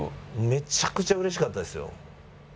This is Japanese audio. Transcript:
めちゃくちゃうれしかったですよ。